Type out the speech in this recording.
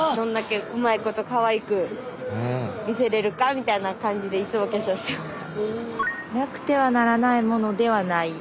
みたいな感じでいつも化粧してます。